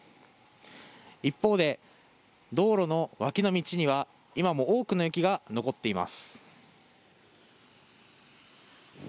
一方で道路の脇の道には今も多くの雪が残っています。